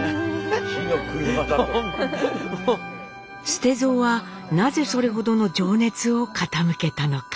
捨蔵はなぜそれほどの情熱を傾けたのか。